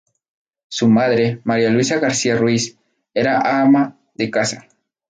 Su madre María Luisa García-Ruiz, era ama de casa.